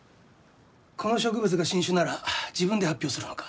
この植物が新種なら自分で発表するのか？